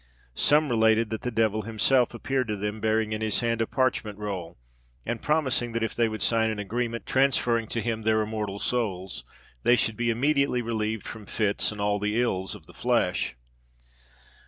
Some related that the devil himself appeared to them, bearing in his hand a parchment roll, and promising that if they would sign an agreement, transferring to him their immortal souls, they should be immediately relieved from fits and all the ills of the flesh.